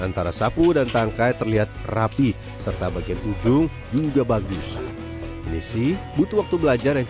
antara sapu dan tangkai terlihat rapi serta bagian ujung juga bagus ini sih butuh waktu belajar yang